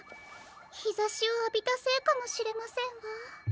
ひざしをあびたせいかもしれませんわ。